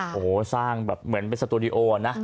โหสร้างแบบเหมือนไปสตูดิโออะนะ